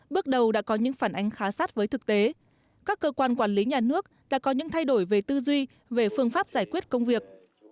bước đầu đã có những phản ánh khá sát với thực tế các cơ quan quản lý nhà nước đã có những thay đổi về tư duy về phương pháp giải quyết công việc